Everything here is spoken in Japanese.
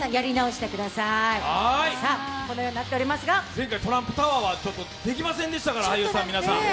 前回、トランプタワーはできませんでしたから、俳優の皆さん。